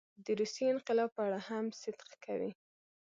د روسیې انقلاب په اړه هم صدق کوي.